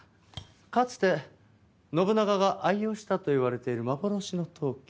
かつて信長が愛用したと言われている幻の陶器。